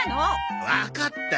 わかった！